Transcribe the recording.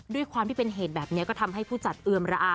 ด้วยความที่เป็นเหตุแบบนี้ก็ทำให้ผู้จัดเอือมระอา